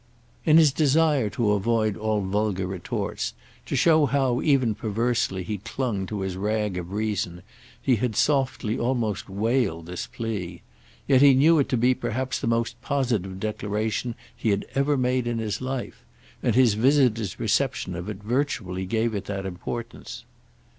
In his desire to avoid all vulgar retorts, to show how, even perversely, he clung to his rag of reason, he had softly almost wailed this plea. Yet he knew it to be perhaps the most positive declaration he had ever made in his life, and his visitor's reception of it virtually gave it that importance.